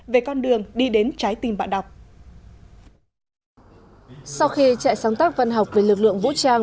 về con đường đi đến trái tim bạn đọc sau khi trại sáng tác văn học về lực lượng vũ trang